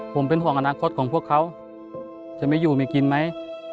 ผมเป็นห่วงอนาคตของพวกเขาจะไม่อยู่ไม่กินไหม